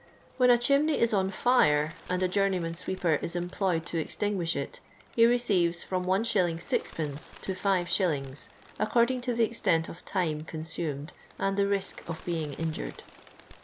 When a chimney is on fire and a j«)urueyman sweeper is employed to extinguish it, he receives from 1*. G(/. to 5a according to the extent of time consumed and the risk of being injured.